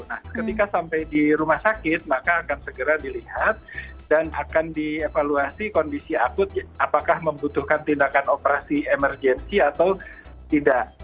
nah ketika sampai di rumah sakit maka akan segera dilihat dan akan dievaluasi kondisi akut apakah membutuhkan tindakan operasi emergensi atau tidak